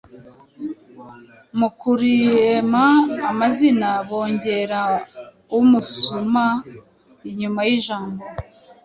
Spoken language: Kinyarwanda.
Mu Kurema amazina bongera umusuma inyuma y’ijambo,